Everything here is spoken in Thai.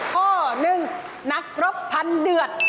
ข้อหนึ่งนักรบพันเดือด